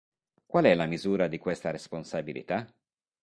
Qual è la misura di questa responsabilità?